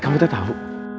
kamu udah tau